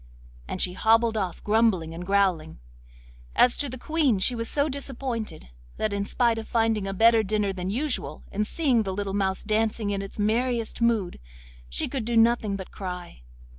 And she hobbled off grumbling and growling. As to the Queen, she was so disappointed that, in spite of finding a better dinner than usual, and seeing the little mouse dancing in its merriest mood, she could do nothing but cry.